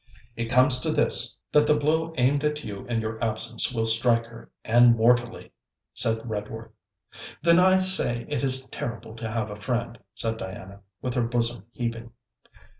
'It comes to this, that the blow aimed at you in your absence will strike her, and mortally,' said Redworth. 'Then I say it is terrible to have a friend,' said Diana, with her bosom heaving.